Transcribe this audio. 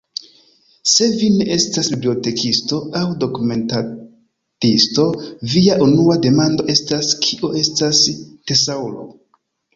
Se vi ne estas bibliotekisto aŭ dokumentadisto, via unua demando estas, kio estas tesaŭro.